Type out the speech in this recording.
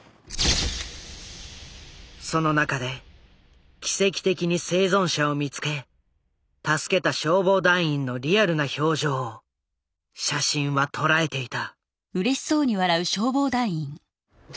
その中で奇跡的に生存者を見つけ助けた消防団員のリアルな表情を写真は捉えていた。